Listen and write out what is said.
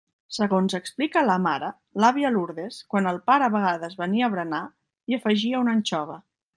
Segons explica la mare, l'àvia Lourdes, quan el pare a vegades venia a berenar, hi afegia una anxova.